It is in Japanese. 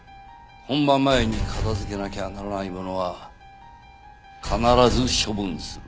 本番前に片付けなきゃならないものは必ず処分する。